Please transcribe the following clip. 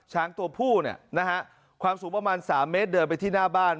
ช้างตัวผู้เนี่ยนะฮะความสูงประมาณ๓เมตรเดินไปที่หน้าบ้าน